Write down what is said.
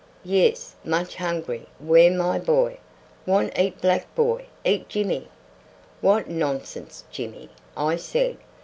"Yes, `much hungry, where my boy?' Want eat black boy; eat Jimmy!" "What nonsense, Jimmy!" I said.